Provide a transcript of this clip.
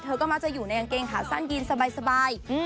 เธอก็มาจะอยู่ในอังเกงขาสั้นกินสบาย